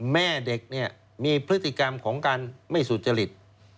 แม่เด็กเนี่ยมีพฤติกรรมของการไม่สุจริต